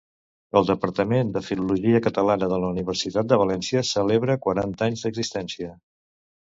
El Departament de Filologia Catalana de la Universitat de València celebra quaranta anys d'existència.